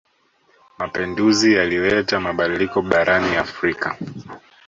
Mapenduzi yalileta mabadiliko barani Afrika.